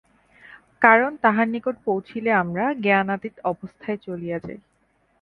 কারণ তাঁহার নিকট পৌঁছিলে আমরা জ্ঞানাতীত অবস্থায় চলিয়া যাই।